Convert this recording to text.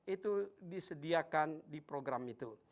itu disediakan di program itu